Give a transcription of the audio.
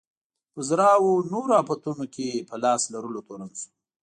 په زرهاوو نورو افتونو کې په لاس لرلو تورن شو.